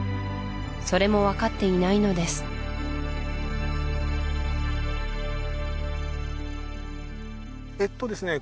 それも分かっていないのですえっとですね